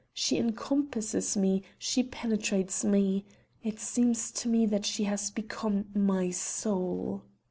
She encompasses me, she penetrates me. It seems to me that she has become my soul!